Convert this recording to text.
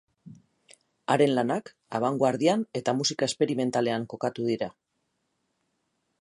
Haren lanak abangoardian eta musika esperimentalean kokatu dira.